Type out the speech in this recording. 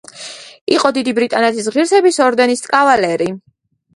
იყო დიდი ბრიტანეთის ღირსების ორდენის კავალერი.